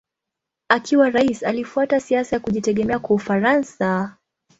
Akiwa rais alifuata siasa ya kujitegemea kwa Ufaransa.